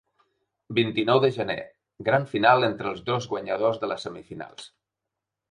Vint-i-nou de gener: gran final entre els dos guanyadors de les semifinals.